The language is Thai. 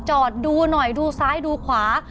จอดดูหน่อยดูซ้ายดูขวา